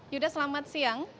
yuda selamat siang